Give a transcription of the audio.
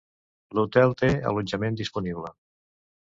L"hotel té allotjament disponible.